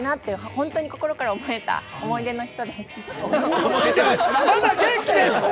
本当に心から思えた思い出まだ元気です！